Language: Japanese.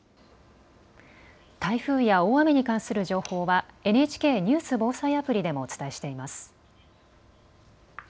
台風や大雨に関する情報はＮＨＫニュース・防災アプリでもお伝えしています。